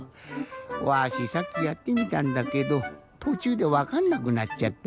わしさっきやってみたんだけどとちゅうでわかんなくなっちゃった。